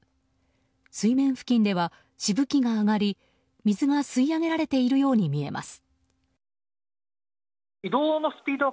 水面付近ではしぶきが上がり水が吸い上げられているように見えます。